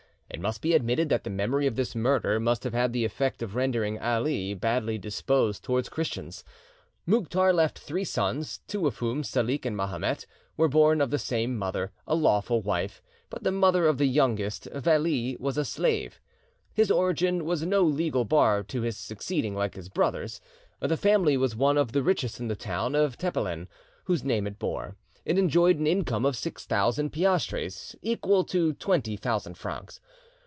It must be admitted that the memory of this murder must have had the effect of rendering Ali badly disposed towards Christians. Mouktar left three sons, two of whom, Salik and Mahomet, were born of the same mother, a lawful wife, but the mother of the youngest, Veli, was a slave. His origin was no legal bar to his succeeding like his brothers. The family was one of the richest in the town of Tepelen, whose name it bore, it enjoyed an income of six thousand piastres, equal to twenty thousand francs.